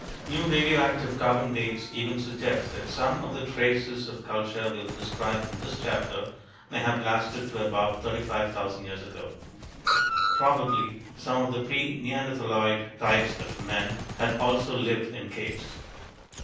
New radioactive carbon dates even suggest that some of the traces of culture we'll describe in this chapter may have lasted to about 35,000 years ago. Probably some of the pre neanderthaloid types of men had also lived in caves.